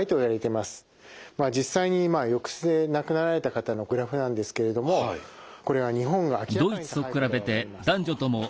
まあ実際に浴室で亡くなられた方のグラフなんですけれどもこれは日本が明らかに高いことが分かります。